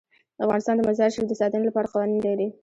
افغانستان د مزارشریف د ساتنې لپاره قوانین لري.